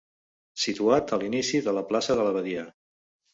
Situat a l'inici de la plaça de l'Abadia.